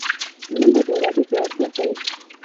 منډه د ارادې پیاوړتیا ښيي